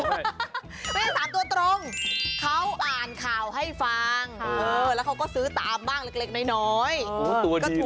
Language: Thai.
เฮ้ยมีอีกหรอมีอีกหรอข่าวเช้ามีใคร